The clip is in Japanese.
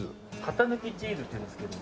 型抜きチーズっていうんですけど。